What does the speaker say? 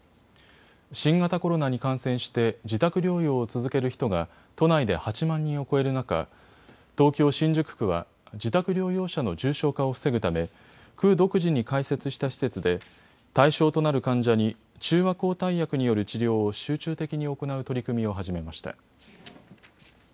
新型コロナに感染して自宅療養を続ける人が都内で８万人を超える中、東京新宿区は自宅療養者の重症化を防ぐため区独自に開設した施設で対象となる患者に中和抗体薬による治療を集中的に行う取り組みを始めました。